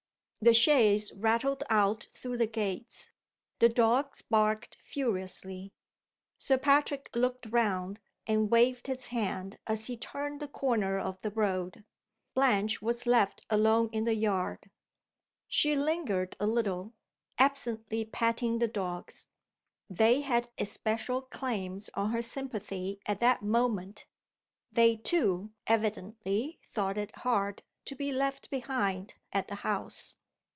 THE chaise rattled our through the gates. The dogs barked furiously. Sir Patrick looked round, and waved his hand as he turned the corner of the road. Blanche was left alone in the yard. She lingered a little, absently patting the dogs. They had especial claims on her sympathy at that moment; they, too, evidently thought it hard to be left behind at the house.